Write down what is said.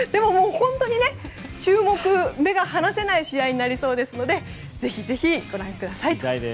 目が離せない試合になりそうですのでぜひぜひご覧ください。